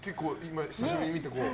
久しぶりに見てこう？